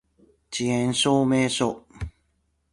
遅延証明書